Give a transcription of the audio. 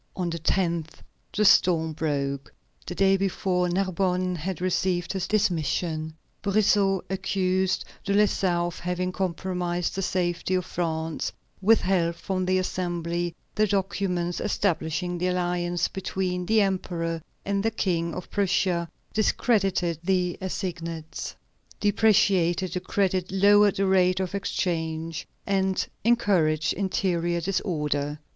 On the 10th the storm broke. The day before, Narbonne had received his dismission. Brissot accused De Lessart of having compromised the safety of France, withheld from the Assembly the documents establishing the alliance between the Emperor and the King of Prussia, discredited the assignats, depreciated the credit, lowered the rate of exchange, and encouraged interior disorder.